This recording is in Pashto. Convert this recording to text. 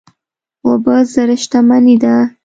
اوبه زر شتمني ده.